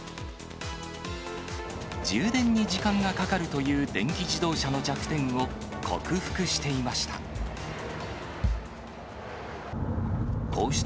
充電に時間がかかるという電気自動車の弱点を克服していました。